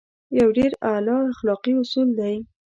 يو ډېر اعلی اخلاقي اصول دی.